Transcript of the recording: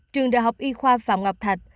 trường đại học y khoa phạm ngọc thạch